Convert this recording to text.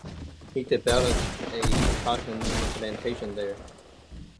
He developed a cotton plantation there.